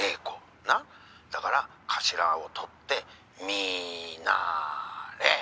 「だから頭を取ってミナレ。